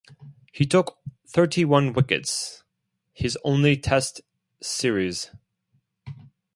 He took thirty-one wickets his only Test series.